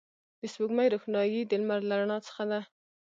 د سپوږمۍ روښنایي د لمر له رڼا څخه ده